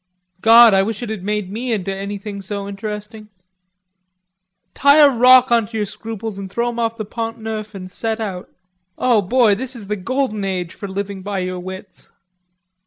"God, I wish it had made me into anything so interesting." "Tie a rock on to your scruples and throw 'em off the Pont Neuf and set out.... O boy, this is the golden age for living by your wits."